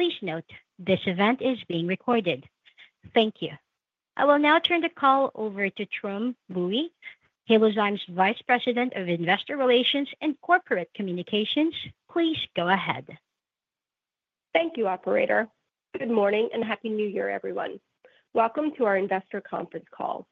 Please note, this event is being recorded. Thank you. I will now turn the call over to Tram Bui, Halozyme's Vice President of Investor Relations and Corporate Communications. Please go ahead. Thank you, Operator. Good morning and Happy New Year, everyone. Welcome to our investor conference call.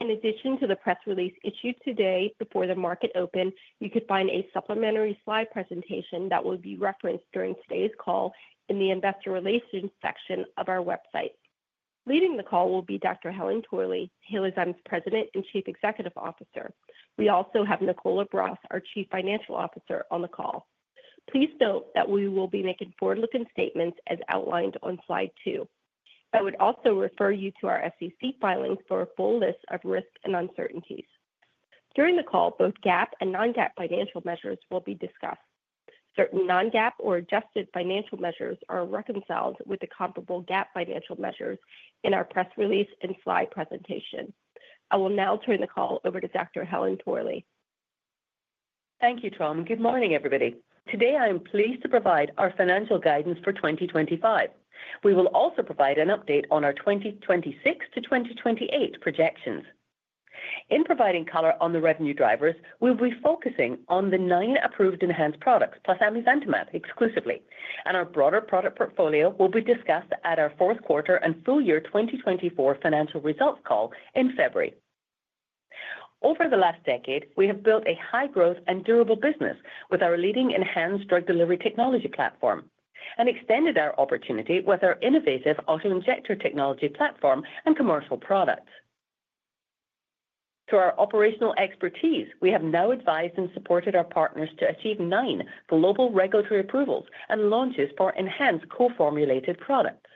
In addition to the press release issued today before the market open, you could find a supplementary slide presentation that will be referenced during today's call in the investor relations section of our website. Leading the call will be Dr. Helen Torley, Halozyme's President and Chief Executive Officer. We also have Nicole LaBrosse, our Chief Financial Officer, on the call. Please note that we will be making forward-looking statements as outlined on slide two. I would also refer you to our SEC filings for a full list of risks and uncertainties. During the call, both GAAP and non-GAAP financial measures will be discussed. Certain non-GAAP or adjusted financial measures are reconciled with the comparable GAAP financial measures in our press release and slide presentation. I will now turn the call over to Dr. Helen Torley. Thank you, Tram. Good morning, everybody. Today, I am pleased to provide our financial guidance for 2025. We will also provide an update on our 2026-2028 projections. In providing color on the revenue drivers, we will be focusing on the nine approved ENHANZE products, plus amivantamab exclusively, and our broader product portfolio will be discussed at our fourth quarter and full year 2024 financial results call in February. Over the last decade, we have built a high-growth and durable business with our leading ENHANZE drug delivery technology platform and extended our opportunity with our innovative autoinjector technology platform and commercial products. Through our operational expertise, we have now advised and supported our partners to achieve nine global regulatory approvals and launches for ENHANZE co-formulated products.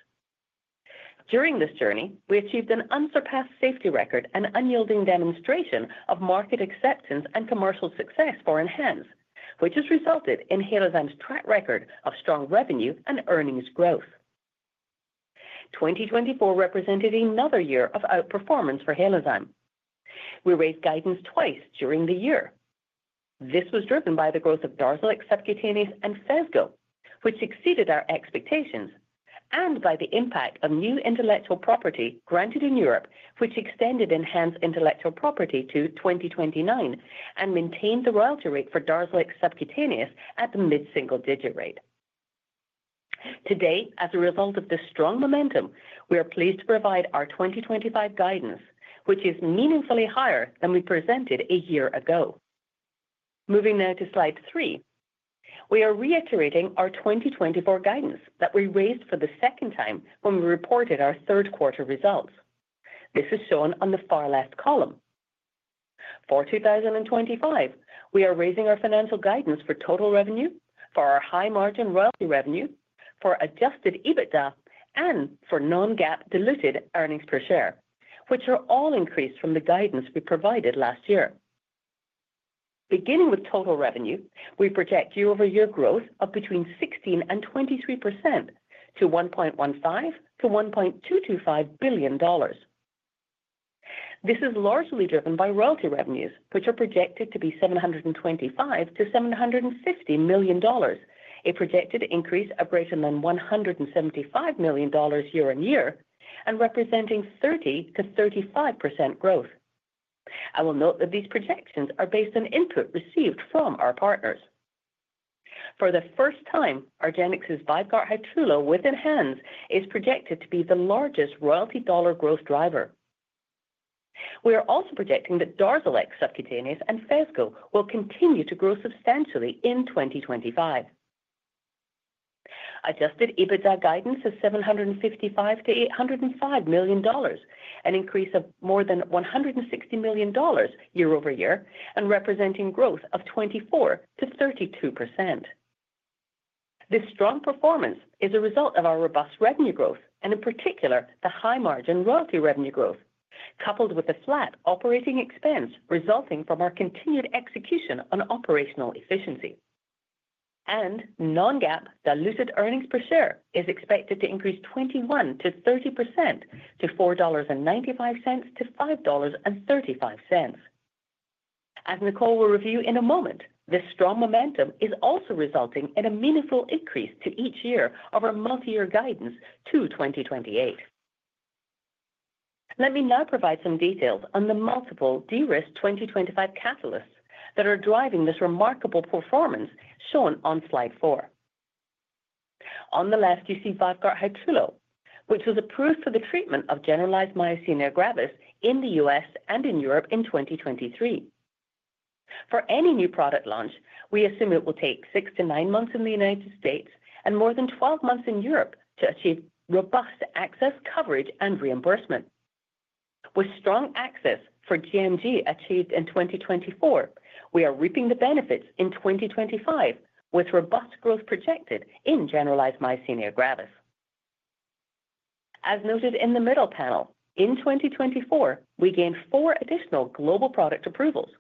During this journey, we achieved an unsurpassed safety record and unyielding demonstration of market acceptance and commercial success for ENHANZE, which has resulted in Halozyme's track record of strong revenue and earnings growth. 2024 represented another year of outperformance for Halozyme. We raised guidance twice during the year. This was driven by the growth of DARZALEX subcutaneous and PHESGO, which exceeded our expectations, and by the impact of new intellectual property granted in Europe, which extended ENHANZE intellectual property to 2029 and maintained the royalty rate for DARZALEX subcutaneous at the mid-single-digit rate. Today, as a result of this strong momentum, we are pleased to provide our 2025 guidance, which is meaningfully higher than we presented a year ago. Moving now to slide three, we are reiterating our 2024 guidance that we raised for the second time when we reported our third quarter results. This is shown on the far left column. For 2025, we are raising our financial guidance for total revenue, for our high-margin royalty revenue, for Adjusted EBITDA, and for non-GAAP diluted earnings per share, which are all increased from the guidance we provided last year. Beginning with total revenue, we project year-over-year growth of between 16% and 23% to $1.15-$1.225 billion. This is largely driven by royalty revenues, which are projected to be $725 million-$750 million, a projected increase of greater than $175 million year-on-year, and representing 30%-35% growth. I will note that these projections are based on input received from our partners. For the first time, argenx's VYVGART Hytrulo with ENHANZE is projected to be the largest royalty dollar growth driver. We are also projecting that DARZALEX subcutaneous and PHESGO will continue to grow substantially in 2025. Adjusted EBITDA guidance is $755 million-$805 million, an increase of more than $160 million year-over-year, and representing growth of 24%-32%. This strong performance is a result of our robust revenue growth, and in particular, the high-margin royalty revenue growth, coupled with the flat operating expense resulting from our continued execution on operational efficiency. Non-GAAP diluted earnings per share is expected to increase 21%-30% to $4.95-$5.35. As Nicole will review in a moment, this strong momentum is also resulting in a meaningful increase to each year of our multi-year guidance to 2028. Let me now provide some details on the multiple de-risk 2025 catalysts that are driving this remarkable performance shown on slide four. On the left, you see VYVGART Hytrulo, which was approved for the treatment of generalized myasthenia gravis in the U.S. and in Europe in 2023. For any new product launch, we assume it will take six to nine months in the United States and more than 12 months in Europe to achieve robust access, coverage, and reimbursement. With strong access for gMG achieved in 2024, we are reaping the benefits in 2025 with robust growth projected in generalized myasthenia gravis. As noted in the middle panel, in 2024, we gained four additional global product approvals.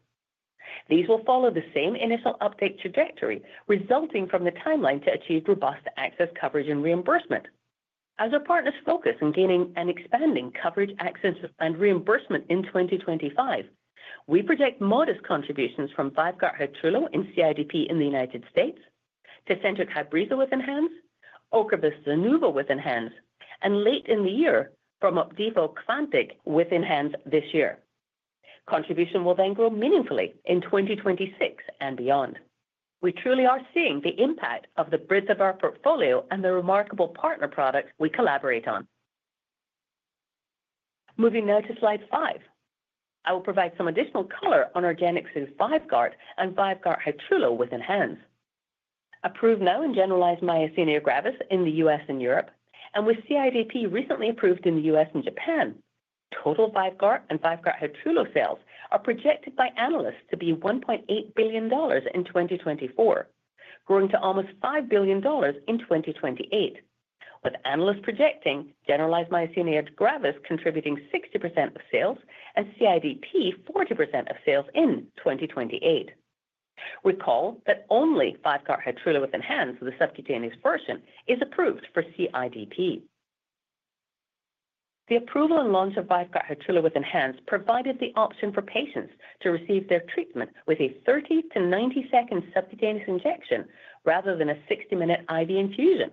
These will follow the same initial uptake trajectory resulting from the timeline to achieve robust access, coverage, and reimbursement. As our partners focus on gaining and expanding coverage, access, and reimbursement in 2025, we project modest contributions from VYVGART Hytrulo in CIDP in the United States to TECENTRIQ HYBREZZA with ENHANZE, OCREVUS ZUNOVO with ENHANZE, and late in the year from OPDIVO Qvantig with ENHANZE this year. Contribution will then grow meaningfully in 2026 and beyond. We truly are seeing the impact of the breadth of our portfolio and the remarkable partner products we collaborate on. Moving now to slide five, I will provide some additional color on argenx's VYVGART and VYVGART Hytrulo with ENHANZE. Approved now in generalized myasthenia gravis in the U.S. and Europe, and with CIDP recently approved in the U.S. and Japan, total VYVGART and VYVGART Hytrulo sales are projected by analysts to be $1.8 billion in 2024, growing to almost $5 billion in 2028, with analysts projecting generalized myasthenia gravis contributing 60% of sales and CIDP 40% of sales in 2028. Recall that only VYVGART Hytrulo with ENHANZE, the subcutaneous version, is approved for CIDP. The approval and launch of VYVGART Hytrulo with ENHANZE provided the option for patients to receive their treatment with a 30-90-second subcutaneous injection rather than a 60-minute IV infusion.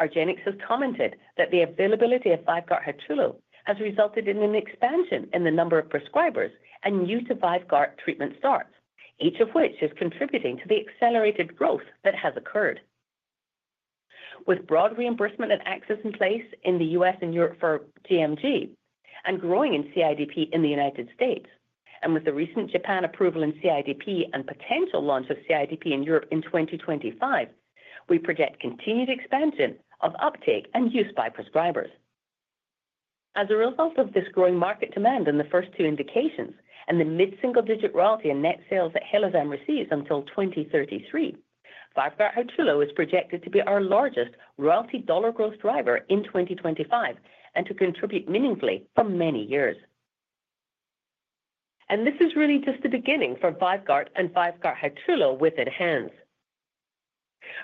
argenx has commented that the availability of VYVGART Hytrulo has resulted in an expansion in the number of prescribers and new-to-VYVGART treatment starts, each of which is contributing to the accelerated growth that has occurred. With broad reimbursement and access in place in the U.S. and Europe for gMG, and growing in CIDP in the United States, and with the recent Japan approval in CIDP and potential launch of CIDP in Europe in 2025, we project continued expansion of uptake and use by prescribers. As a result of this growing market demand in the first two indications and the mid-single-digit royalty and net sales that Halozyme receives until 2033, VYVGART Hytrulo is projected to be our largest royalty dollar growth driver in 2025 and to contribute meaningfully for many years, and this is really just the beginning for VYVGART and VYVGART Hytrulo with ENHANZE.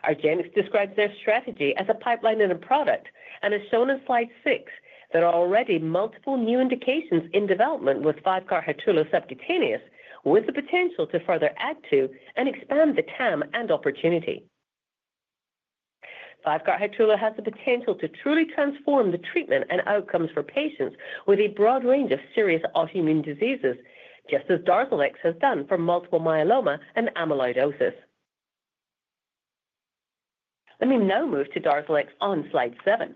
argenx describes their strategy as a pipeline and a product, and as shown in slide six, there are already multiple new indications in development with VYVGART Hytrulo subcutaneous, with the potential to further add to and expand the TAM and opportunity. VYVGART Hytrulo has the potential to truly transform the treatment and outcomes for patients with a broad range of serious autoimmune diseases, just as DARZALEX has done for multiple myeloma and amyloidosis. Let me now move to DARZALEX on slide seven.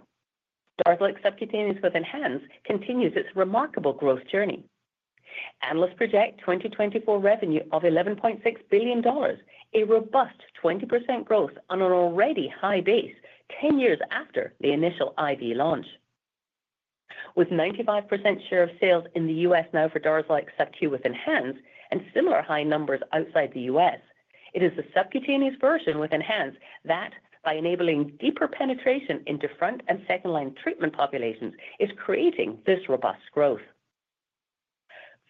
DARZALEX subcutaneous with ENHANZE continues its remarkable growth journey. Analysts project 2024 revenue of $11.6 billion, a robust 20% growth on an already high base 10 years after the initial IV launch. With a 95% share of sales in the U.S. now for DARZALEX subcutaneous with ENHANZE and similar high numbers outside the U.S., it is the subcutaneous version with ENHANZE that, by enabling deeper penetration into front and second-line treatment populations, is creating this robust growth.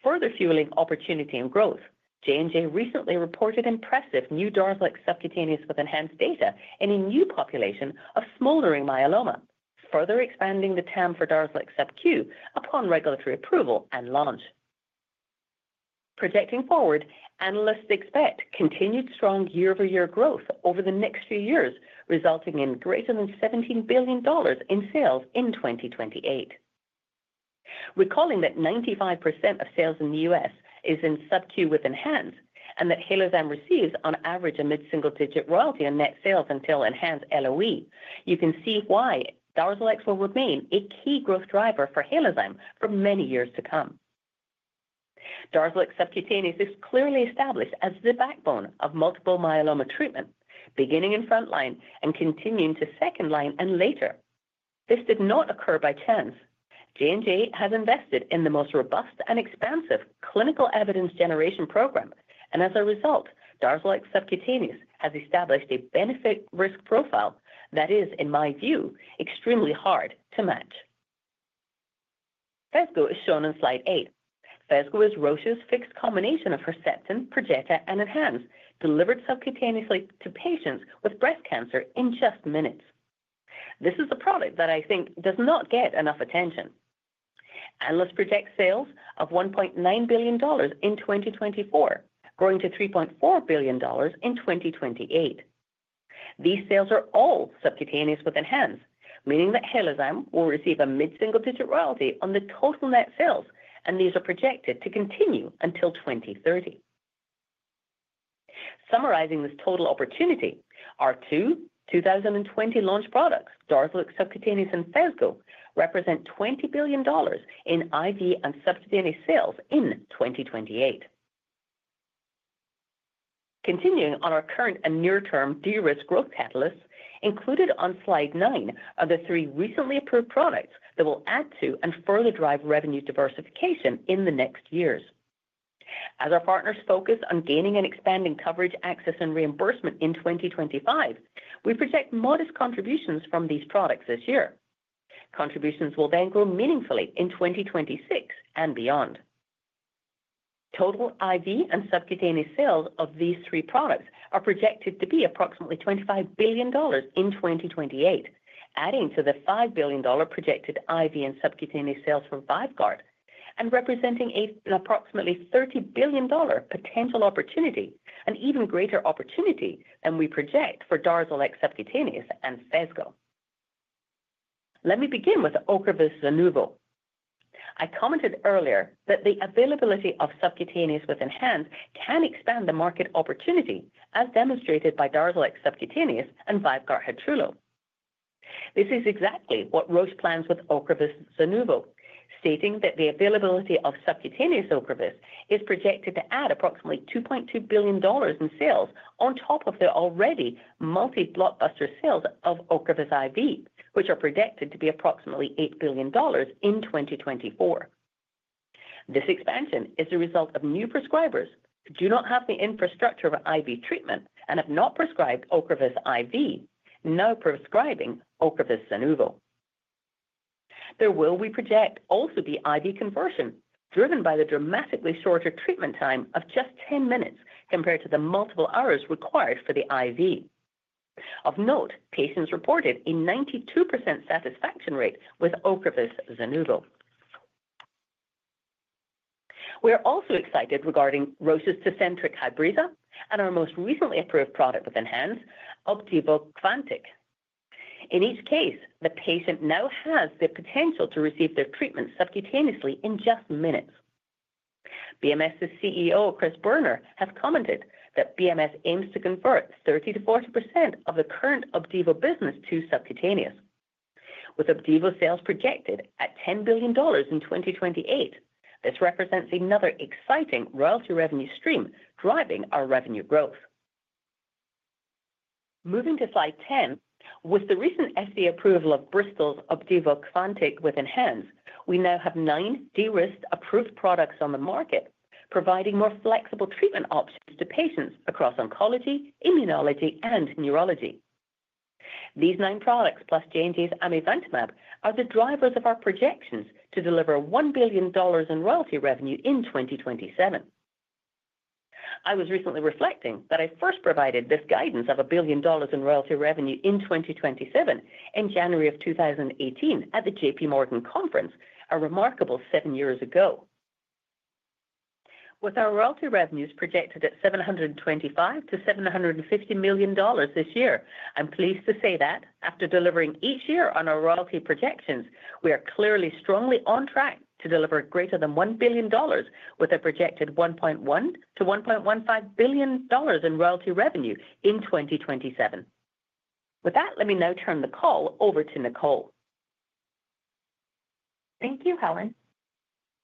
Further fueling opportunity and growth, J&J recently reported impressive new DARZALEX subcutaneous with ENHANZE data in a new population of smoldering myeloma, further expanding the TAM for DARZALEX subcutaneous upon regulatory approval and launch. Projecting forward, analysts expect continued strong year-over-year growth over the next few years, resulting in greater than $17 billion in sales in 2028. Recalling that 95% of sales in the U.S. is in subcutaneous with ENHANZE and that Halozyme receives on average a mid-single-digit royalty and net sales until ENHANZE LOE, you can see why DARZALEX will remain a key growth driver for Halozyme for many years to come. DARZALEX subcutaneous is clearly established as the backbone of multiple myeloma treatment, beginning in front line and continuing to second line and later. This did not occur by chance. J&J has invested in the most robust and expansive clinical evidence generation program, and as a result, DARZALEX subcutaneous has established a benefit-risk profile that is, in my view, extremely hard to match. PHESGO is shown on slide eight. PHESGO is Roche's fixed combination of HERCEPTIN, PERJETA, and ENHANZE, delivered subcutaneously to patients with breast cancer in just minutes. This is a product that I think does not get enough attention. Analysts project sales of $1.9 billion in 2024, growing to $3.4 billion in 2028. These sales are all subcutaneous with ENHANZE, meaning that Halozyme will receive a mid-single-digit royalty on the total net sales, and these are projected to continue until 2030. Summarizing this total opportunity, our two 2020 launch products, DARZALEX subcutaneous and PHESGO, represent $20 billion in IV and subcutaneous sales in 2028. Continuing on our current and near-term de-risk growth catalysts included on slide nine are the three recently approved products that will add to and further drive revenue diversification in the next years. As our partners focus on gaining and expanding coverage, access, and reimbursement in 2025, we project modest contributions from these products this year. Contributions will then grow meaningfully in 2026 and beyond. Total IV and subcutaneous sales of these three products are projected to be approximately $25 billion in 2028, adding to the $5 billion projected IV and subcutaneous sales from VYVGART, and representing an approximately $30 billion potential opportunity, an even greater opportunity than we project for DARZALEX subcutaneous and PHESGO. Let me begin with OCREVUS ZUNOVO. I commented earlier that the availability of subcutaneous with ENHANZE can expand the market opportunity, as demonstrated by DARZALEX subcutaneous and VYVGART Hytrulo. This is exactly what Roche plans with OCREVUS ZUNOVO, stating that the availability of subcutaneous OCREVUS is projected to add approximately $2.2 billion in sales on top of the already multi-blockbuster sales of OCREVUS IV, which are projected to be approximately $8 billion in 2024. This expansion is the result of new prescribers who do not have the infrastructure of IV treatment and have not prescribed OCREVUS IV, now prescribing OCREVUS ZUNOVO. There will also be projected IV conversion driven by the dramatically shorter treatment time of just 10 minutes compared to the multiple hours required for the IV. Of note, patients reported a 92% satisfaction rate with OCREVUS ZUNOVO. We are also excited regarding Roche's TECENTRIQ HYBREZZA and our most recently approved product with ENHANZE, OPDIVO Qvantig. In each case, the patient now has the potential to receive their treatment subcutaneously in just minutes. BMS's CEO, Chris Boerner, has commented that BMS aims to convert 30%-40% of the current Opdivo business to subcutaneous. With Opdivo sales projected at $10 billion in 2028, this represents another exciting royalty revenue stream driving our revenue growth. Moving to slide 10, with the recent FDA approval of Bristol's OPDIVO Qvantig with ENHANZE, we now have nine de-risk approved products on the market, providing more flexible treatment options to patients across oncology, immunology, and neurology. These nine products, plus J&J's amivantamab, are the drivers of our projections to deliver $1 billion in royalty revenue in 2027. I was recently reflecting that I first provided this guidance of $1 billion in royalty revenue in 2027 in January of 2018 at the JPMorgan Conference, a remarkable seven years ago. With our royalty revenues projected at $725 million-$750 million this year, I'm pleased to say that after delivering each year on our royalty projections, we are clearly strongly on track to deliver greater than $1 billion with a projected $1.1 billion-$1.15 billion in royalty revenue in 2027. With that, let me now turn the call over to Nicole. Thank you, Helen.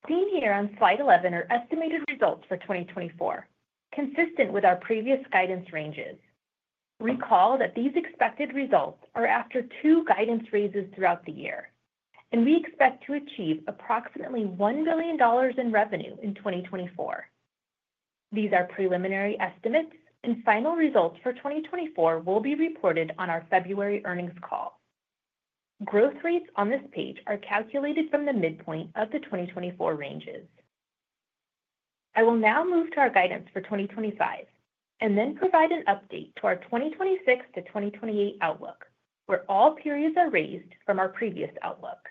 Seen here on slide 11 are estimated results for 2024, consistent with our previous guidance ranges. Recall that these expected results are after two guidance raises throughout the year, and we expect to achieve approximately $1 billion in revenue in 2024. These are preliminary estimates, and final results for 2024 will be reported on our February earnings call. Growth rates on this page are calculated from the midpoint of the 2024 ranges. I will now move to our guidance for 2025 and then provide an update to our 2026-2028 outlook, where all periods are raised from our previous outlook.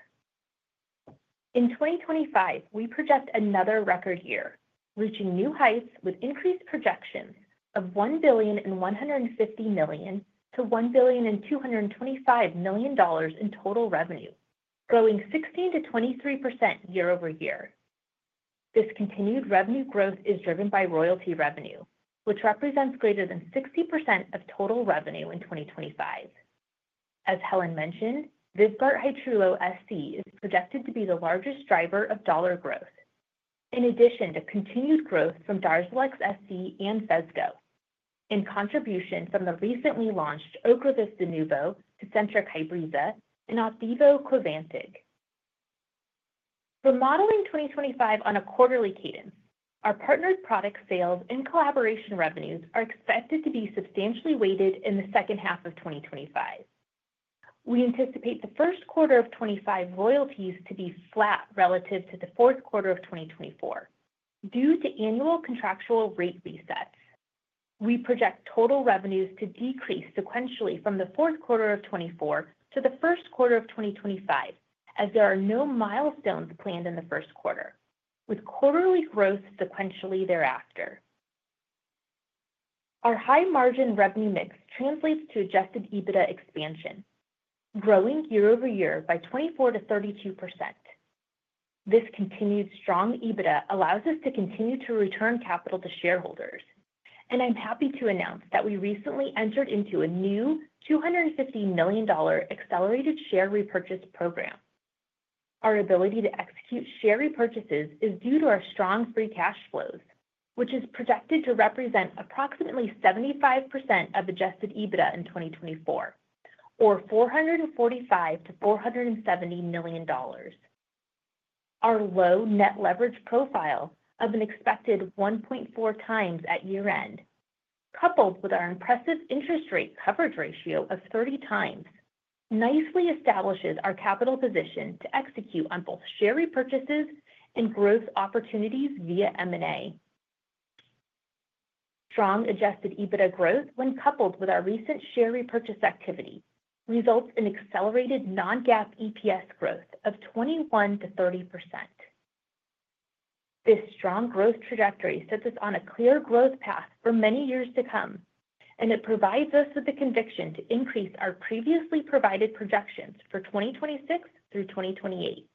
In 2025, we project another record year, reaching new heights with increased projections of $1 billion and $150 million to $1 billion and $225 million in total revenue, growing 16%-23% year-over-year. This continued revenue growth is driven by royalty revenue, which represents greater than 60% of total revenue in 2025. As Helen mentioned, VYVGART Hytrulo SC is projected to be the largest driver of dollar growth, in addition to continued growth from DARZALEX SC and PHESGO, in contribution from the recently launched OCREVUS ZUNOVO, TECENTRIQ HYBREZZA, and OPDIVO Qvantig. For modeling 2025 on a quarterly cadence, our partnered product sales and collaboration revenues are expected to be substantially weighted in the second half of 2025. We anticipate the first quarter of 2025 royalties to be flat relative to the fourth quarter of 2024 due to annual contractual rate resets. We project total revenues to decrease sequentially from the fourth quarter of 2024 to the first quarter of 2025, as there are no milestones planned in the first quarter, with quarterly growth sequentially thereafter. Our high-margin revenue mix translates to Adjusted EBITDA expansion, growing year-over-year by 24%-32%. This continued strong EBITDA allows us to continue to return capital to shareholders, and I'm happy to announce that we recently entered into a new $250 million accelerated share repurchase program. Our ability to execute share repurchases is due to our strong free cash flows, which is projected to represent approximately 75% of Adjusted EBITDA in 2024, or $445 million-$470 million. Our low net leverage profile of an expected 1.4 times at year-end, coupled with our impressive interest rate coverage ratio of 30 times, nicely establishes our capital position to execute on both share repurchases and growth opportunities via M&A. Strong Adjusted EBITDA growth, when coupled with our recent share repurchase activity, results in accelerated non-GAAP EPS growth of 21%-30%. This strong growth trajectory sets us on a clear growth path for many years to come, and it provides us with the conviction to increase our previously provided projections for 2026 through 2028.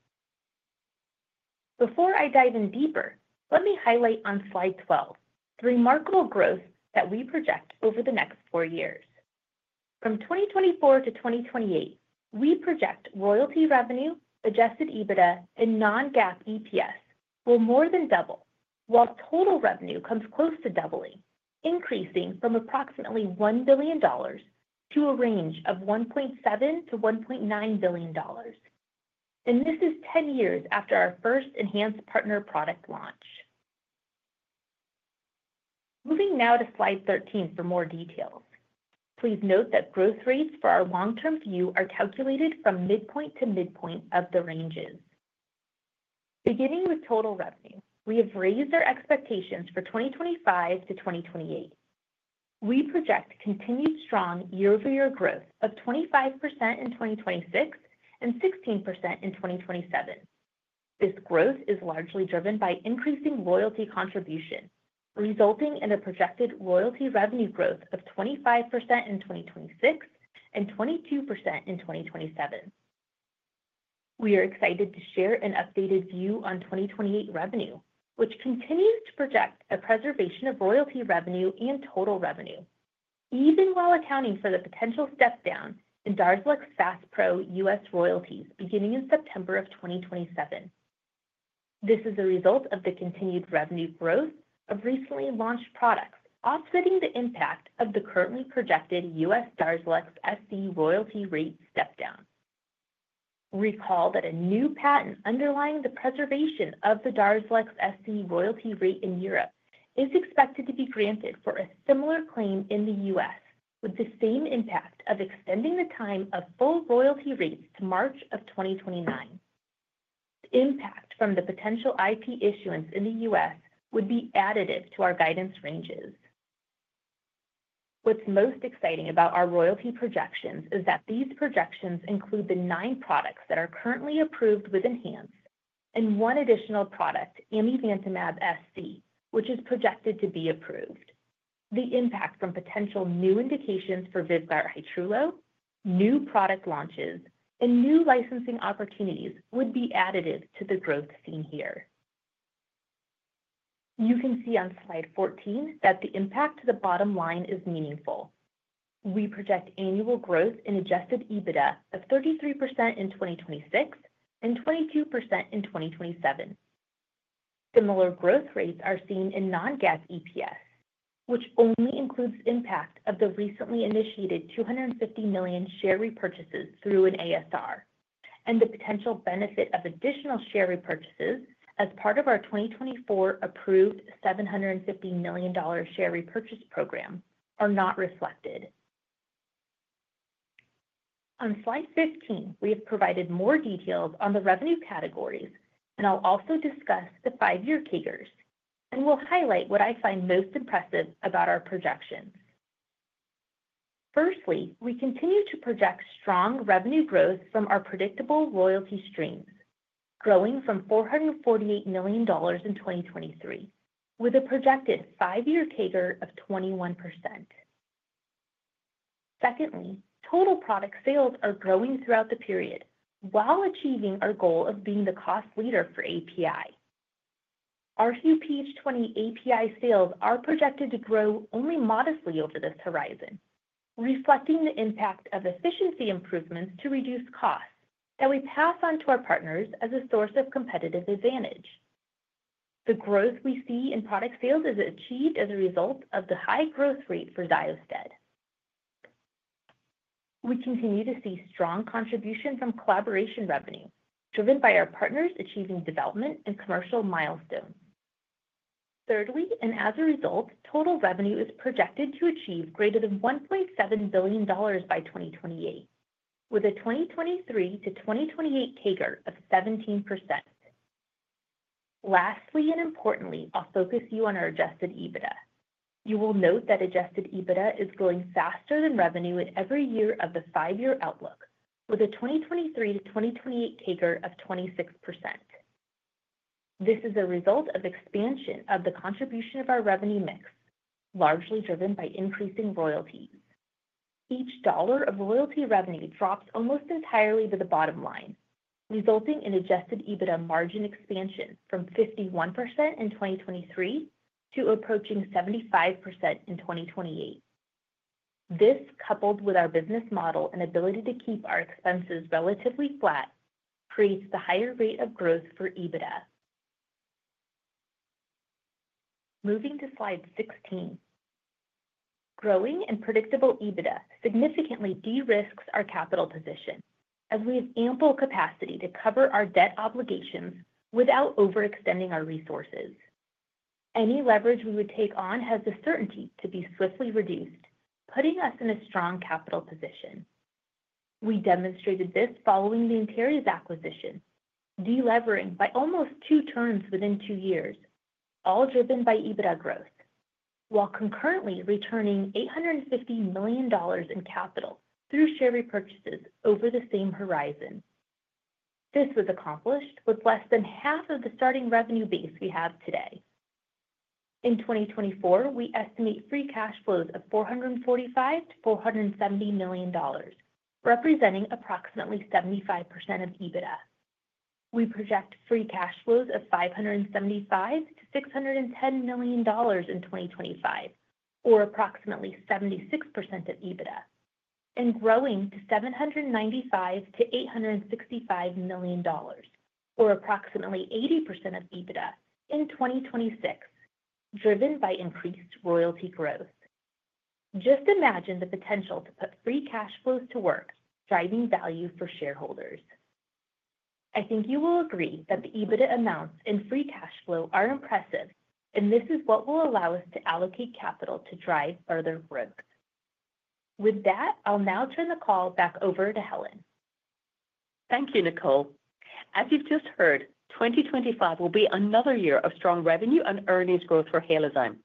Before I dive in deeper, let me highlight on slide 12 the remarkable growth that we project over the next four years. From 2024-2028, we project royalty revenue, Adjusted EBITDA, and non-GAAP EPS will more than double, while total revenue comes close to doubling, increasing from approximately $1 billion to a range of $1.7 billion-$1.9 billion, and this is 10 years after our first enhanced partner product launch. Moving now to slide 13 for more details. Please note that growth rates for our long-term view are calculated from midpoint to midpoint of the ranges. Beginning with total revenue, we have raised our expectations for 2025 to 2028. We project continued strong year-over-year growth of 25% in 2026 and 16% in 2027. This growth is largely driven by increasing royalty contribution, resulting in a projected royalty revenue growth of 25% in 2026 and 22% in 2027. We are excited to share an updated view on 2028 revenue, which continues to project a preservation of royalty revenue and total revenue, even while accounting for the potential step-down in DARZALEX FASPRO U.S. royalties beginning in September of 2027. This is a result of the continued revenue growth of recently launched products, offsetting the impact of the currently projected U.S. DARZALEX SC royalty rate step-down. Recall that a new patent underlying the preservation of the DARZALEX SC royalty rate in Europe is expected to be granted for a similar claim in the U.S., with the same impact of extending the time of full royalty rates to March of 2029. The impact from the potential IP issuance in the U.S. would be additive to our guidance ranges. What's most exciting about our royalty projections is that these projections include the nine products that are currently approved with ENHANZE, and one additional product, amivantamab SC, which is projected to be approved. The impact from potential new indications for VYVGART Hytrulo, new product launches, and new licensing opportunities would be additive to the growth seen here. You can see on Slide 14 that the impact to the bottom line is meaningful. We project annual growth in Adjusted EBITDA of 33% in 2026 and 22% in 2027. Similar growth rates are seen in non-GAAP EPS, which only includes the impact of the recently initiated $250 million share repurchases through an ASR, and the potential benefit of additional share repurchases as part of our 2024 approved $750 million share repurchase program are not reflected. On slide 15, we have provided more details on the revenue categories, and I'll also discuss the five-year CAGRs, and we'll highlight what I find most impressive about our projections. Firstly, we continue to project strong revenue growth from our predictable royalty streams, growing from $448 million in 2023, with a projected five-year CAGR of 21%. Secondly, total product sales are growing throughout the period while achieving our goal of being the cost leader for API. Our rHuPH20 API sales are projected to grow only modestly over this horizon, reflecting the impact of efficiency improvements to reduce costs that we pass on to our partners as a source of competitive advantage. The growth we see in product sales is achieved as a result of the high growth rate for XYOSTED. We continue to see strong contribution from collaboration revenue, driven by our partners achieving development and commercial milestones. Thirdly, and as a result, total revenue is projected to achieve greater than $1.7 billion by 2028, with a 2023-2028 CAGR of 17%. Lastly, and importantly, I'll focus you on our Adjusted EBITDA. You will note that Adjusted EBITDA is growing faster than revenue in every year of the five-year outlook, with a 2023-2028 CAGR of 26%. This is a result of expansion of the contribution of our revenue mix, largely driven by increasing royalties. Each dollar of royalty revenue drops almost entirely to the bottom line, resulting in Adjusted EBITDA margin expansion from 51% in 2023 to approaching 75% in 2028. This, coupled with our business model and ability to keep our expenses relatively flat, creates the higher rate of growth for EBITDA. Moving to slide 16, growing and predictable EBITDA significantly de-risks our capital position, as we have ample capacity to cover our debt obligations without overextending our resources. Any leverage we would take on has the certainty to be swiftly reduced, putting us in a strong capital position. We demonstrated this following the Antares acquisition, deleveraging by almost two turns within two years, all driven by EBITDA growth, while concurrently returning $850 million in capital through share repurchases over the same horizon. This was accomplished with less than half of the starting revenue base we have today. In 2024, we estimate free cash flows of $445-$470 million, representing approximately 75% of EBITDA. We project free cash flows of $575 million-$610 million in 2025, or approximately 76% of EBITDA, and growing to $795 million-$865 million, or approximately 80% of EBITDA in 2026, driven by increased royalty growth. Just imagine the potential to put free cash flows to work, driving value for shareholders. I think you will agree that the EBITDA amounts and free cash flow are impressive, and this is what will allow us to allocate capital to drive further growth. With that, I'll now turn the call back over to Helen. Thank you, Nicole. As you've just heard, 2025 will be another year of strong revenue and earnings growth for Halozyme.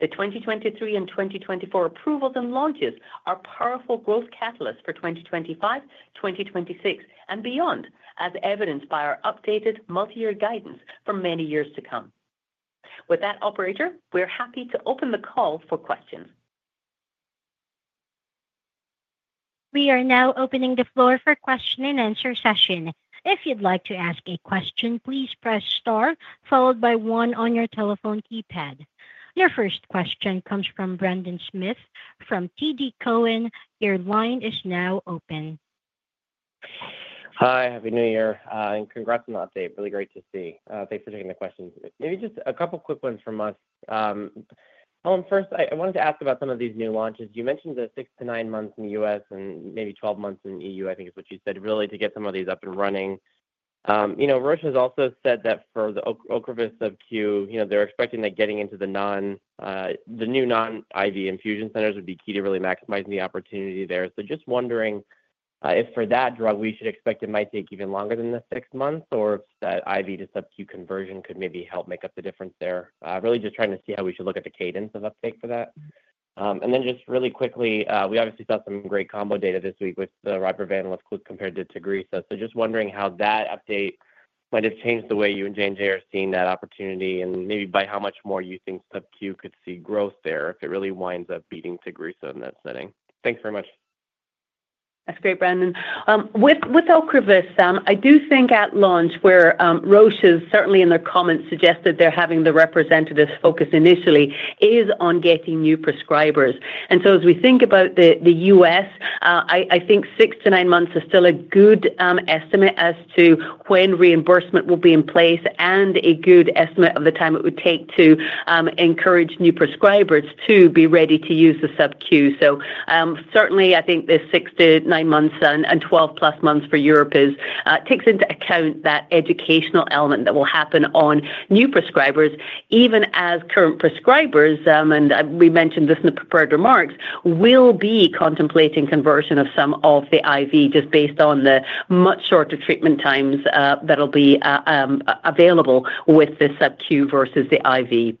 The 2023 and 2024 approvals and launches are powerful growth catalysts for 2025, 2026, and beyond, as evidenced by our updated multi-year guidance for many years to come. With that, Operator, we're happy to open the call for questions. We are now opening the floor for question and answer session. If you'd like to ask a question, please press star followed by one on your telephone keypad. Your first question comes from Brendan Smith from TD Cowen. Your line is now open. Hi, happy New Year, and congrats on the update. Really great to see. Thanks for taking the question. Maybe just a couple of quick ones from us. Helen, first, I wanted to ask about some of these new launches. You mentioned the six to nine months in the U.S and maybe 12 months in the EU, I think is what you said, really to get some of these up and running. You know, Roche has also said that for the OCREVUS subQ, you know, they're expecting that getting into the new non-IV infusion centers would be key to really maximizing the opportunity there. So just wondering if for that drug we should expect it might take even longer than the six months, or if that IV to subQ conversion could maybe help make up the difference there. Really just trying to see how we should look at the cadence of uptake for that. Then just really quickly, we obviously saw some great combo data this week with the Rybrevant/Lazcluze compared to Tagrisso. So just wondering how that update might have changed the way you and J&J are seeing that opportunity, and maybe by how much more you think subQ could see growth there if it really winds up beating Tagrisso in that setting? Thanks very much. That's great, Brendan. With OCREVUS, I do think at launch, where Roche has certainly in their comments suggested they're having the representatives focus initially, is on getting new prescribers. And so as we think about the U.S., I think six to nine months is still a good estimate as to when reimbursement will be in place and a good estimate of the time it would take to encourage new prescribers to be ready to use the subQ. Certainly, I think the six to nine months and 12 plus months for Europe takes into account that educational element that will happen on new prescribers, even as current prescribers, and we mentioned this in the prepared remarks, will be contemplating conversion of some of the IV just based on the much shorter treatment times that'll be available with the subQ versus the IV.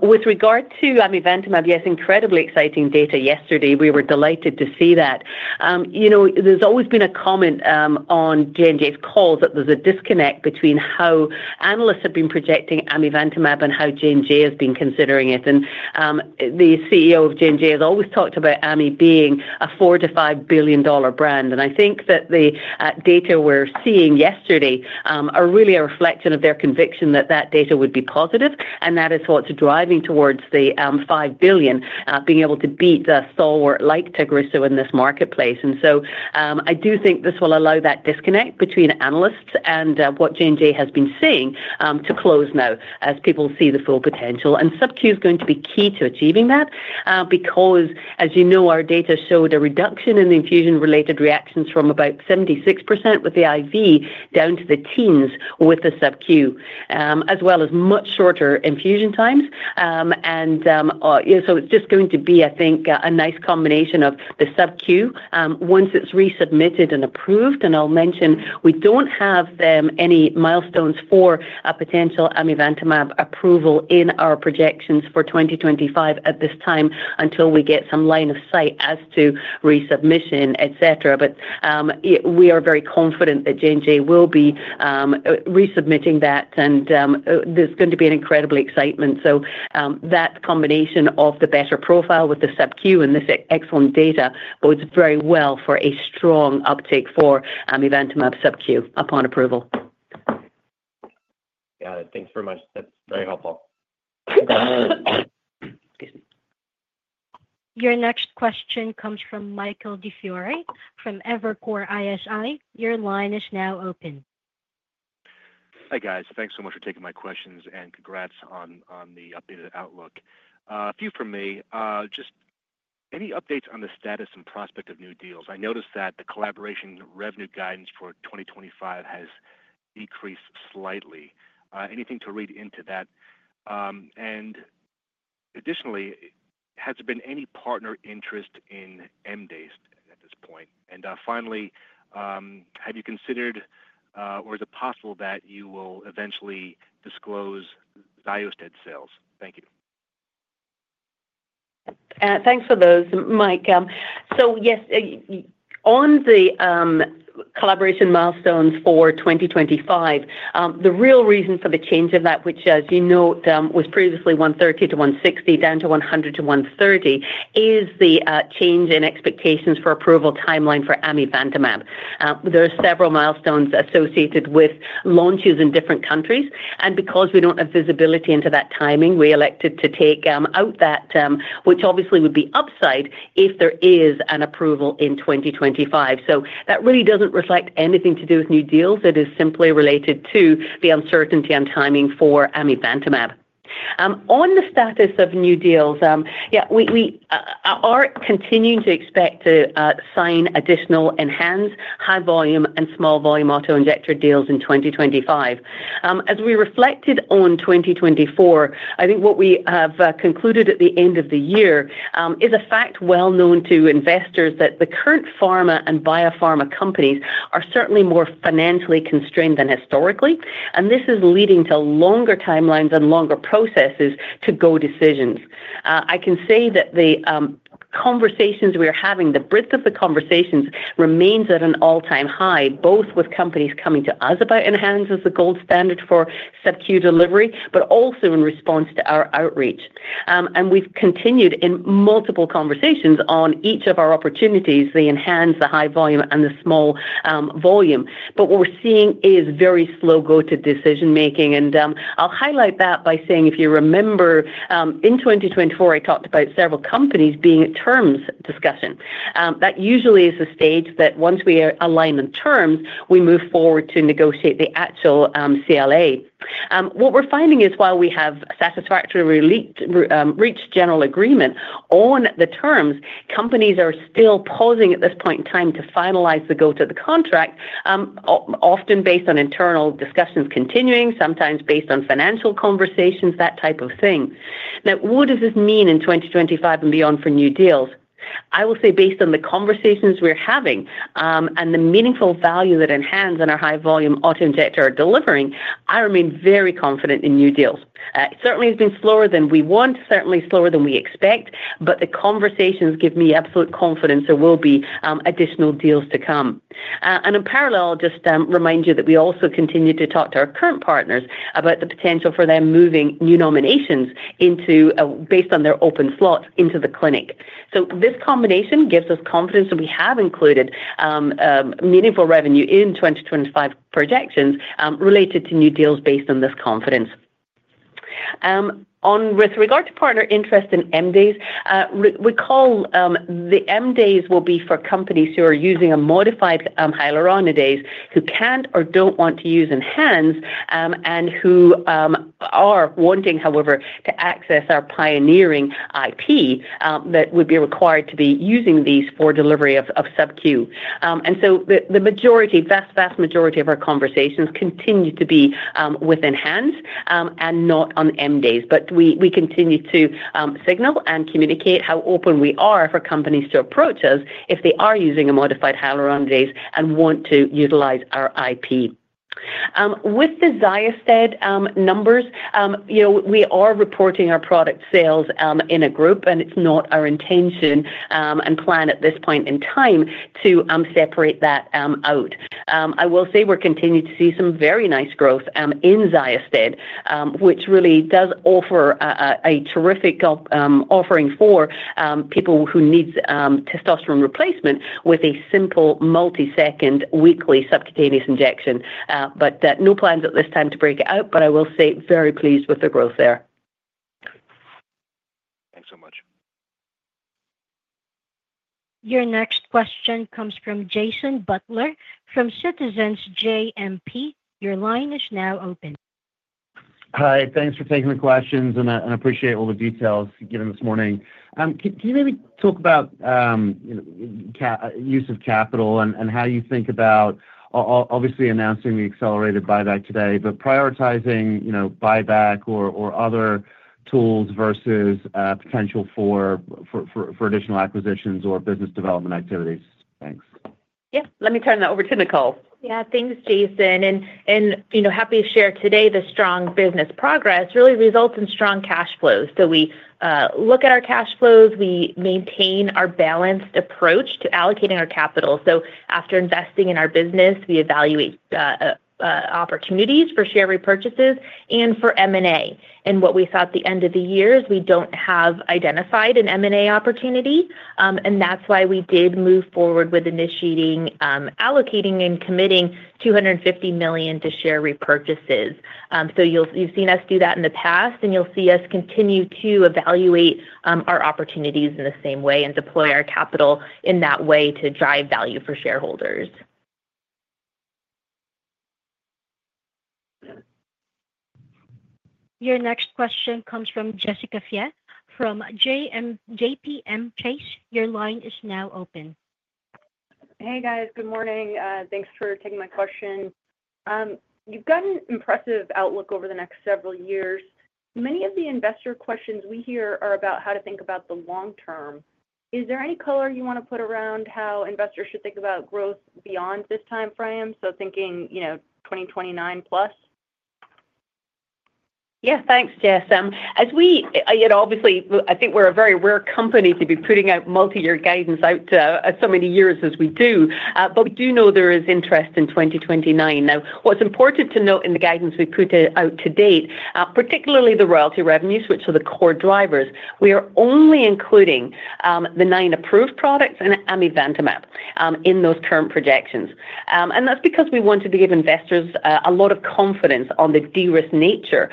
With regard to amivantamab, yes, incredibly exciting data yesterday. We were delighted to see that. You know, there's always been a comment on J&J's calls that there's a disconnect between how analysts have been projecting amivantamab and how J&J has been considering it. And the CEO of J&J has always talked about AMI being a $4 billion-$5 billion brand. I think that the data we're seeing yesterday are really a reflection of their conviction that that data would be positive, and that is what's driving towards the $5 billion, being able to beat the stalwart like Tagrisso in this marketplace. So I do think this will allow that disconnect between analysts and what J&J has been seeing to close now as people see the full potential. SubQ is going to be key to achieving that because, as you know, our data showed a reduction in the infusion-related reactions from about 76% with the IV down to the teens with the subQ, as well as much shorter infusion times. So it's just going to be, I think, a nice combination of the subQ once it's resubmitted and approved. And I'll mention we don't have any milestones for a potential amivantamab approval in our projections for 2025 at this time until we get some line of sight as to resubmission, et cetera. But we are very confident that J&J will be resubmitting that, and there's going to be an incredible excitement. So that combination of the better profile with the subQ and this excellent data bodes very well for a strong uptake for amivantamab subQ upon approval. Got it. Thanks very much. That's very helpful. Your next question comes from Michael DiFiore from Evercore ISI. Your line is now open. Hi, guys. Thanks so much for taking my questions and congrats on the updated outlook. A few from me. Just any updates on the status and prospect of new deals? I noticed that the collaboration revenue guidance for 2025 has decreased slightly. Anything to read into that? And additionally, has there been any partner interest in ENHANZE at this point? And finally, have you considered, or is it possible that you will eventually disclose XYOSTED sales? Thank you. Thanks for those, Mike. So yes, on the collaboration milestones for 2025, the real reason for the change of that, which, as you note, was previously 130-160 down to 100-130, is the change in expectations for approval timeline for amivantamab. There are several milestones associated with launches in different countries. And because we don't have visibility into that timing, we elected to take out that, which obviously would be upside if there is an approval in 2025. So that really doesn't reflect anything to do with new deals. It is simply related to the uncertainty on timing for amivantamab. On the status of new deals, yeah, we are continuing to expect to sign additional enhanced high-volume and small-volume autoinjector deals in 2025. As we reflected on 2024, I think what we have concluded at the end of the year is a fact well known to investors that the current pharma and biopharma companies are certainly more financially constrained than historically, and this is leading to longer timelines and longer processes to go decisions. I can say that the conversations we are having, the breadth of the conversations remains at an all-time high, both with companies coming to us about enhancing the gold standard for subQ delivery, but also in response to our outreach, and we've continued in multiple conversations on each of our opportunities, the enhanced, the high-volume, and the small-volume, but what we're seeing is very slow-go to decision-making. I'll highlight that by saying, if you remember, in 2024, I talked about several companies being at terms discussion. That usually is the stage that once we align on terms, we move forward to negotiate the actual CLA. What we're finding is while we have satisfactorily reached general agreement on the terms, companies are still pausing at this point in time to finalize the go to the contract, often based on internal discussions continuing, sometimes based on financial conversations, that type of thing. Now, what does this mean in 2025 and beyond for new deals? I will say based on the conversations we're having and the meaningful value that ENHANZE and our high-volume autoinjector are delivering, I remain very confident in new deals. It certainly has been slower than we want, certainly slower than we expect, but the conversations give me absolute confidence there will be additional deals to come, and in parallel, I'll just remind you that we also continue to talk to our current partners about the potential for them moving new nominations based on their open slots into the clinic, so this combination gives us confidence that we have included meaningful revenue in 2025 projections related to new deals based on this confidence. With regard to partner interest in ENHANZE, recall the ENHANZE will be for companies who are using a modified hyaluronidase who can't or don't want to use ENHANZE and who are wanting, however, to access our pioneering IP that would be required to be using these for delivery of subQ. And so the majority, vast, vast majority of our conversations continue to be with ENHANZE and not on Hylenex. But we continue to signal and communicate how open we are for companies to approach us if they are using a modified hyaluronidase and want to utilize our IP. With the XYOSTED numbers, we are reporting our product sales in a group, and it's not our intention and plan at this point in time to separate that out. I will say we're continuing to see some very nice growth in XYOSTED, which really does offer a terrific offering for people who need testosterone replacement with a simple multi-second weekly subcutaneous injection. But no plans at this time to break it out, but I will say very pleased with the growth there. Thanks so much. Your next question comes from Jason Butler from Citizens JMP. Your line is now open. Hi, thanks for taking the questions, and I appreciate all the details given this morning. Can you maybe talk about use of capital and how you think about obviously announcing the accelerated buyback today, but prioritizing buyback or other tools versus potential for additional acquisitions or business development activities? Thanks. Yep. Let me turn that over to Nicole. Yeah, thanks, Jason. And happy to share today the strong business progress really results in strong cash flows. So we look at our cash flows. We maintain our balanced approach to allocating our capital. So after investing in our business, we evaluate opportunities for share repurchases and for M&A. And what we saw at the end of the year is we don't have identified an M&A opportunity. And that's why we did move forward with initiating allocating and committing $250 million to share repurchases. So you've seen us do that in the past, and you'll see us continue to evaluate our opportunities in the same way and deploy our capital in that way to drive value for shareholders. Your next question comes from Jessica Fye from JPMorgan Chase. Your line is now open. Hey, guys. Good morning. Thanks for taking my question. You've got an impressive outlook over the next several years. Many of the investor questions we hear are about how to think about the long term. Is there any color you want to put around how investors should think about growth beyond this timeframe? So thinking 2029 plus? Yeah, thanks, Jess. As we, obviously, I think we're a very rare company to be putting out multi-year guidance out so many years as we do. But we do know there is interest in 2029. Now, what's important to note in the guidance we put out to date, particularly the royalty revenues, which are the core drivers, we are only including the nine approved products and amivantamab in those current projections. And that's because we wanted to give investors a lot of confidence on the de-risk nature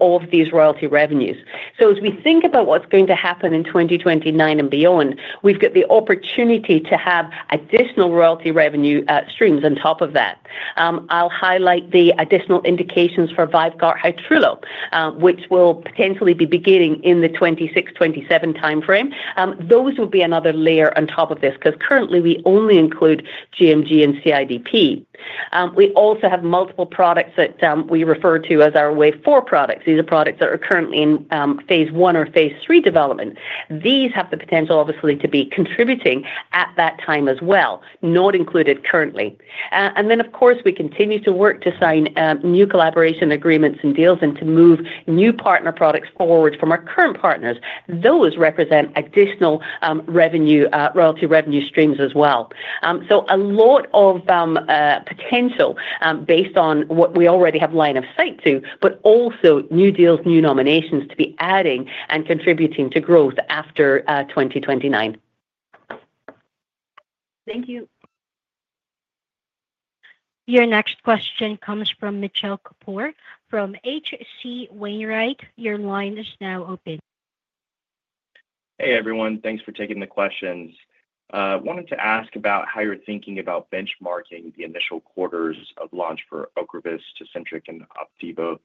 of these royalty revenues. So as we think about what's going to happen in 2029 and beyond, we've got the opportunity to have additional royalty revenue streams on top of that. I'll highlight the additional indications for VYVGART Hytrulo, which will potentially be beginning in the 2026, 2027 timeframe. Those will be another layer on top of this because currently we only include gMG and CIDP. We also have multiple products that we refer to as our wave four products. These are products that are currently in phase one or phase three development. These have the potential, obviously, to be contributing at that time as well, not included currently. And then, of course, we continue to work to sign new collaboration agreements and deals and to move new partner products forward from our current partners. Those represent additional royalty revenue streams as well. So a lot of potential based on what we already have line of sight to, but also new deals, new nominations to be adding and contributing to growth after 2029. Thank you. Your next question comes from Mitchell Kapoor from H.C. Wainwright. Your line is now open. Hey, everyone. Thanks for taking the questions. I wanted to ask about how you're thinking about benchmarking the initial quarters of launch for OCREVUS, TECENRIQ, and OPDIVO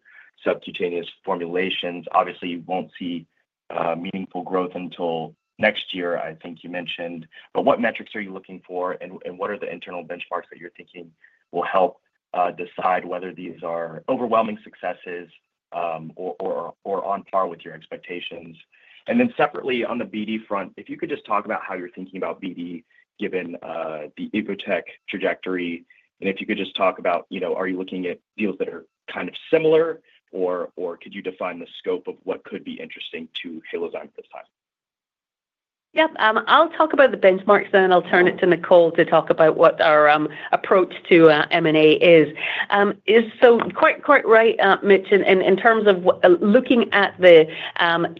subcutaneous formulations. Obviously, you won't see meaningful growth until next year, I think you mentioned. But what metrics are you looking for, and what are the internal benchmarks that you're thinking will help decide whether these are overwhelming successes or on par with your expectations? And then separately on the BD front, if you could just talk about how you're thinking about BD given the Evotec trajectory. And if you could just talk about, are you looking at deals that are kind of similar, or could you define the scope of what could be interesting to Halozyme at this time? Yep. I'll talk about the benchmarks, and then I'll turn it to Nicole to talk about what our approach to M&A is. So quite right, Mitch, in terms of looking at the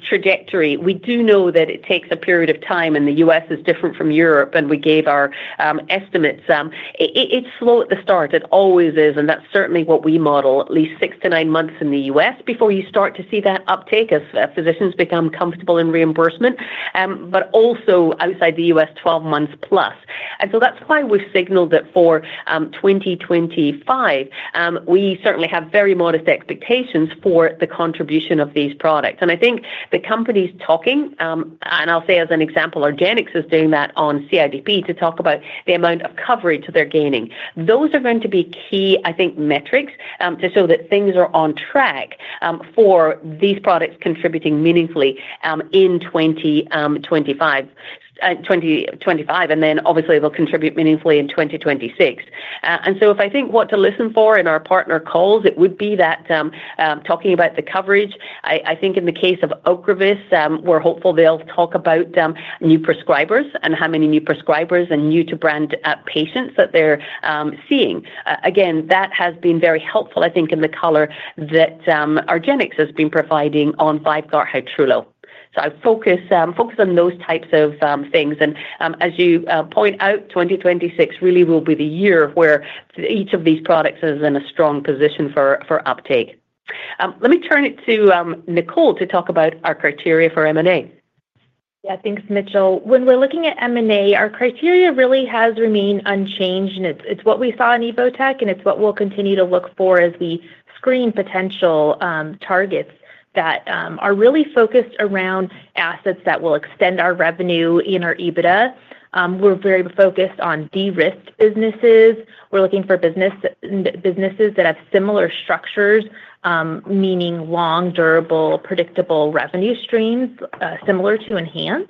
trajectory, we do know that it takes a period of time, and the U.S. is different from Europe, and we gave our estimates. It's slow at the start. It always is. That's certainly what we model, at least six to nine months in the U.S. before you start to see that uptake as physicians become comfortable in reimbursement, but also outside the U.S., 12 months plus. That's why we've signaled that for 2025, we certainly have very modest expectations for the contribution of these products. I think the companies talking, and I'll say as an example, argenx is doing that on CIDP to talk about the amount of coverage they're gaining. Those are going to be key, I think, metrics to show that things are on track for these products contributing meaningfully in 2025. Then, obviously, they'll contribute meaningfully in 2026. If I think what to listen for in our partner calls, it would be that talking about the coverage. I think in the case of OCREVUS, we're hopeful they'll talk about new prescribers and how many new prescribers and new-to-brand patients that they're seeing. Again, that has been very helpful, I think, in the color that argenx has been providing on VYVGART Hytrulo. So I focus on those types of things. And as you point out, 2026 really will be the year where each of these products is in a strong position for uptake. Let me turn it to Nicole to talk about our criteria for M&A. Yeah, thanks, Mitchell. When we're looking at M&A, our criteria really has remained unchanged. And it's what we saw in Evotec, and it's what we'll continue to look for as we screen potential targets that are really focused around assets that will extend our revenue in our EBITDA. We're very focused on de-risk businesses. We're looking for businesses that have similar structures, meaning long, durable, predictable revenue streams similar to ENHANZE.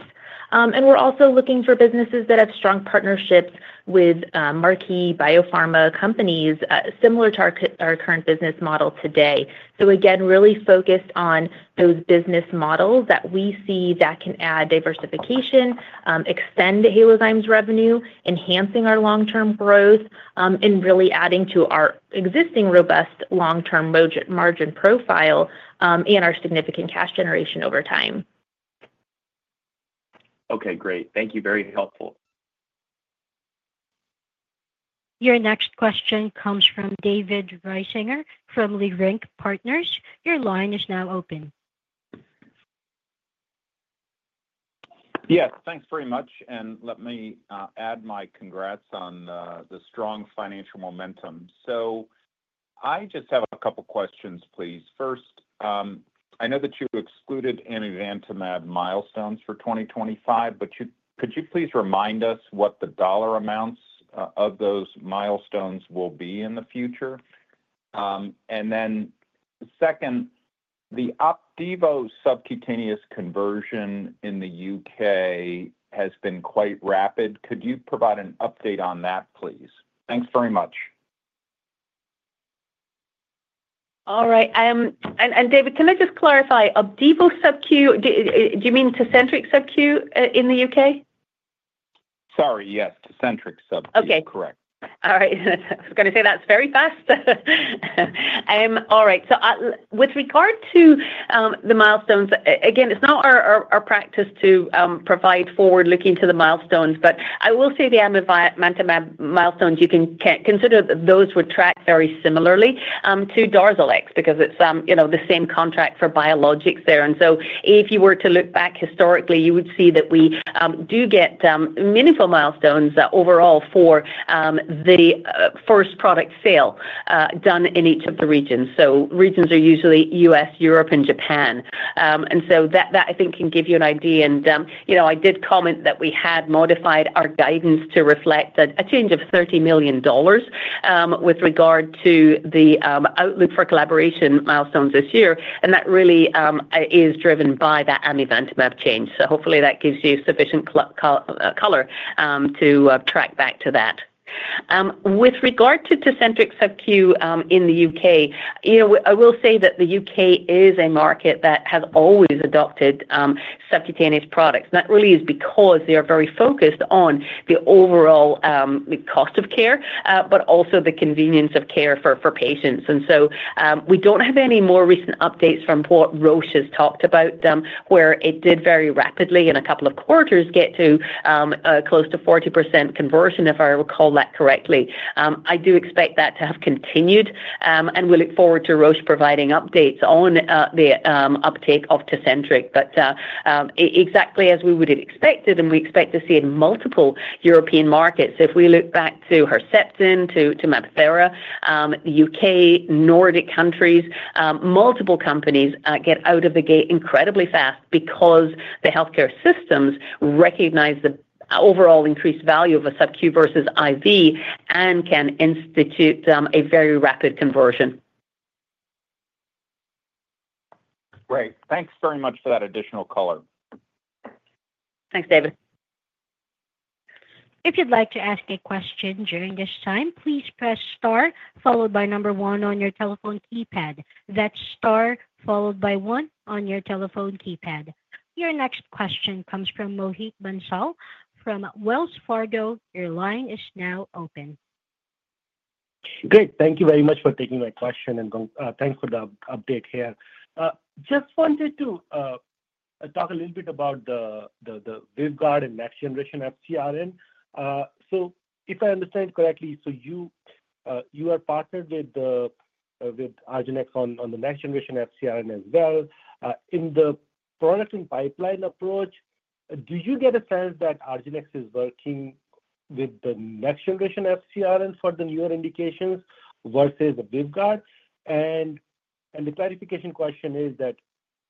And we're also looking for businesses that have strong partnerships with marquee biopharma companies similar to our current business model today. So again, really focused on those business models that we see that can add diversification, extend Halozyme's revenue, enhancing our long-term growth, and really adding to our existing robust long-term margin profile and our significant cash generation over time. Okay, great. Thank you. Very helpful. Your next question comes from David Risinger from Leerink Partners. Your line is now open. Yes, thanks very much. And let me add my congrats on the strong financial momentum. So I just have a couple of questions, please. First, I know that you excluded amivantamab milestones for 2025, but could you please remind us what the dollar amounts of those milestones will be in the future? And then second, the OPDIVO subcutaneous conversion in the U.K. has been quite rapid. Could you provide an update on that, please? Thanks very much. All right. And David, can I just clarify? OPDIVO subQ, do you mean TECENRIQ subQ in the U.K.? Sorry, yes, TECENRIQ subQ. Correct. All right. I was going to say that's very fast. All right. So with regard to the milestones, again, it's not our practice to provide forward-looking to the milestones, but I will say the amivantamab milestones, you can consider that those were tracked very similarly to DARZALEX because it's the same contract for biologics there. And so if you were to look back historically, you would see that we do get meaningful milestones overall for the first product sale done in each of the regions. So regions are usually U.S., Europe, and Japan. And so that, I think, can give you an idea. And I did comment that we had modified our guidance to reflect a change of $30 million with regard to the outlook for collaboration milestones this year. And that really is driven by that amivantamab change. So hopefully, that gives you sufficient color to track back to that. With regard to TECENTRIQ subQ in the U.K., I will say that the U.K. is a market that has always adopted subcutaneous products. That really is because they are very focused on the overall cost of care, but also the convenience of care for patients. And so we don't have any more recent updates from what Roche has talked about, where it did very rapidly in a couple of quarters get to close to 40% conversion, if I recall that correctly. I do expect that to have continued, and we look forward to Roche providing updates on the uptake of TECENTRIQ. But exactly as we would have expected, and we expect to see it in multiple European markets. If we look back to Herceptin, to MabThera, the U.K., Nordic countries, multiple companies get out of the gate incredibly fast because the healthcare systems recognize the overall increased value of a subQ versus IV and can institute a very rapid conversion. Great. Thanks very much for that additional color. Thanks, David. If you'd like to ask a question during this time, please press star followed by number one on your telephone keypad. That's star followed by one on your telephone keypad. Your next question comes from Mohit Bansal from Wells Fargo. Your line is now open. Great. Thank you very much for taking my question, and thanks for the update here. Just wanted to talk a little bit about the VYVGART and next generation FcRn. So if I understand correctly, you are partnered with argenx on the next generation FcRn as well. In the product and pipeline approach, do you get a sense that argenx is working with the next generation FcRn for the newer indications versus the VYVGART? And the clarification question is that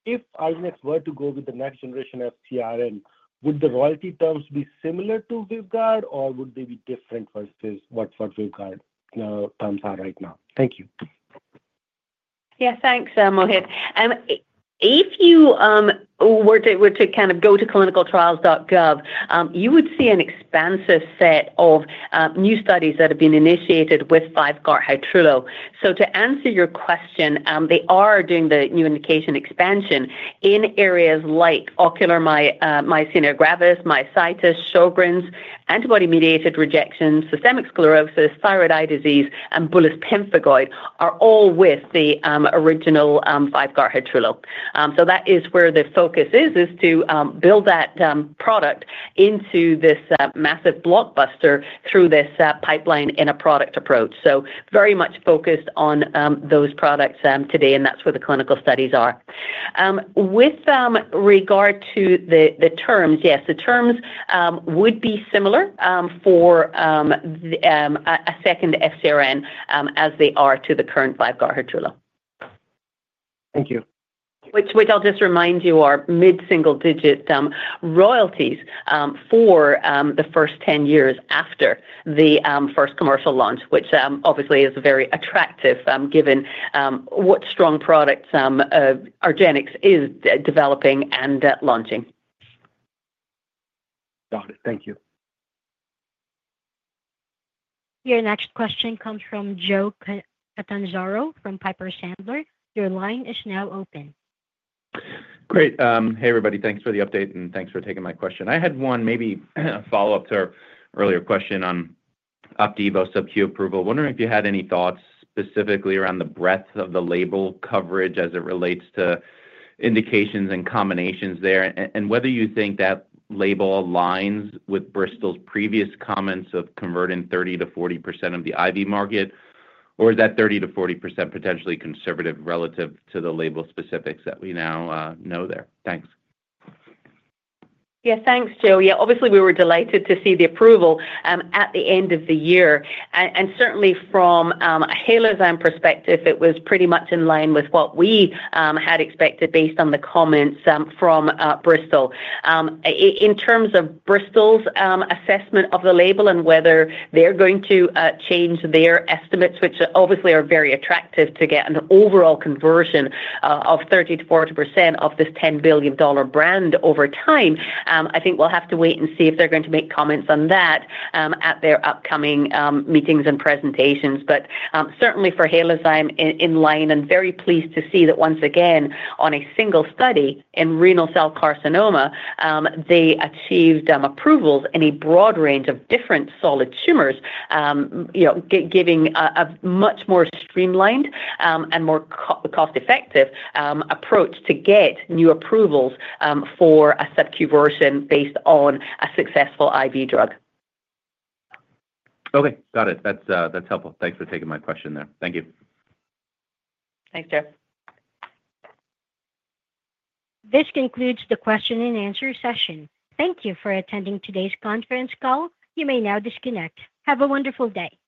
if argenx were to go with the next generation FcRn, would the royalty terms be similar to VYVGART, or would they be different versus what VYVGART terms are right now? Thank you. Yes, thanks, Mohit. If you were to kind of go to ClinicalTrials.gov, you would see an expansive set of new studies that have been initiated with VYVGART Hytrulo. To answer your question, they are doing the new indication expansion in areas like ocular myasthenia gravis, myositis, Sjögren's, antibody-mediated rejection, systemic sclerosis, thyroid eye disease, and bullous pemphigoid, all with the original VYVGART Hytrulo. That is where the focus is to build that product into this massive blockbuster through this pipeline in a product approach. Very much focused on those products today, and that's where the clinical studies are. With regard to the terms, yes, the terms would be similar for a second FcRn as they are to the current VYVGART Hytrulo. Thank you. Which I'll just remind you are mid-single-digit royalties for the first 10 years after the first commercial launch, which obviously is very attractive given what strong products argenx is developing and launching. Got it. Thank you. Your next question comes from Joe Catanzaro from Piper Sandler. Your line is now open. Great. Hey, everybody. Thanks for the update, and thanks for taking my question. I had one, maybe a follow-up to our earlier question on OPDIVO subQ approval. Wondering if you had any thoughts specifically around the breadth of the label coverage as it relates to indications and combinations there, and whether you think that label aligns with Bristol's previous comments of converting 30%-40% of the IV market, or is that 30%-40% potentially conservative relative to the label specifics that we now know there? Thanks. Yes, thanks, Joe. Yeah, obviously, we were delighted to see the approval at the end of the year. And certainly, from a Halozyme perspective, it was pretty much in line with what we had expected based on the comments from Bristol. In terms of Bristol's assessment of the label and whether they're going to change their estimates, which obviously are very attractive to get an overall conversion of 30%-40% of this $10 billion brand over time, I think we'll have to wait and see if they're going to make comments on that at their upcoming meetings and presentations. But certainly, for Halozyme, in line, and very pleased to see that once again, on a single study in renal cell carcinoma, they achieved approvals in a broad range of different solid tumors, giving a much more streamlined and more cost-effective approach to get new approvals for a subQ version based on a successful IV drug. Okay. Got it. That's helpful. Thanks for taking my question there. Thank you. Thanks, Joe. This concludes the question-and-answer session. Thank you for attending today's conference call. You may now disconnect. Have a wonderful day.